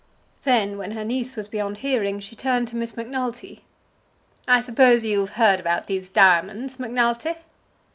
Then, when her niece was beyond hearing, she turned to Miss Macnulty. "I suppose you've heard about these diamonds, Macnulty?"